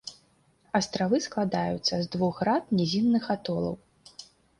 Астравы складаюцца з двух град нізінных атолаў.